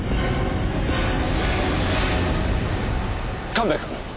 神戸君。